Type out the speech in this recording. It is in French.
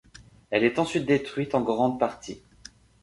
Elle est ensuite détruite en grande partie.